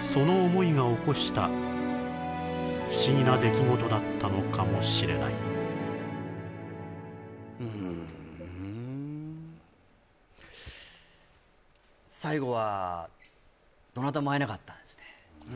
その思いが起こした不思議な出来事だったのかもしれない最後はどなたも会えなかったんですね